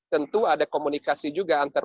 tentu ada komunikasi juga antar